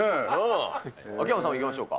秋山さんもいきましょうか。